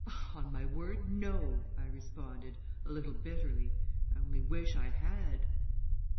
"On my word, no," I responded, a little bitterly. "I only wish I had!"